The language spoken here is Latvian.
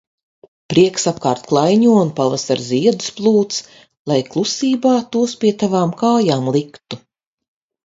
Prieks apkārt klaiņo un pavasara ziedus plūc, lai klusībā tos pie tavām kājām liktu.